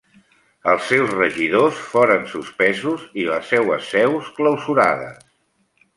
Els seus regidors foren suspesos i les seues seus clausurades.